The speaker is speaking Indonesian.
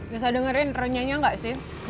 bisa dengerin renyahnya nggak sih